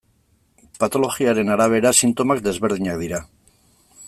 Patologiaren arabera sintomak desberdinak dira.